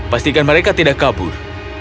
pastikan mereka tidak kabur